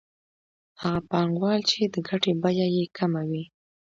هغه پانګوال چې د ګټې بیه یې کمه وي